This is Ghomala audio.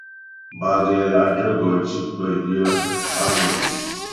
Bâ gɛ́la'tə gɔ tí pə yə á mə́jyə.